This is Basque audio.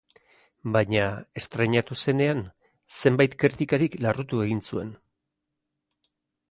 Baina, estreinatu zenean, zenbait kritikarik larrutu egin zuen.